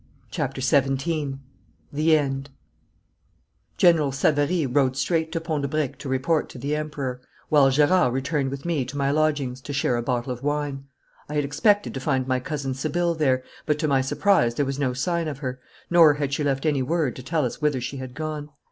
CHAPTER XVII THE END General Savary rode straight to Pont de Briques to report to the Emperor, while Gerard returned with me to my lodgings to share a bottle of wine. I had expected to find my Cousin Sibylle there, but to my surprise there was no sign of her, nor had she left any word to tell us whither she had gone.